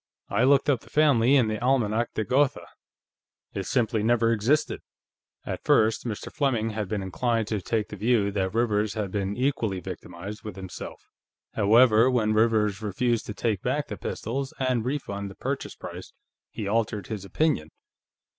I looked up the family in the Almanach de Gotha; it simply never existed. At first, Mr. Fleming had been inclined to take the view that Rivers had been equally victimized with himself. However, when Rivers refused to take back the pistols and refund the purchase price, he altered his opinion.